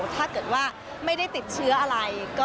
ถ้าเกิดว่าไม่ได้ติดเชื้ออะไร